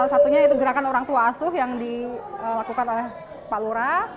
satunya itu gerakan orang tua asuh yang dilakukan oleh pak lura